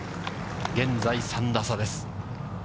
現在３打差です。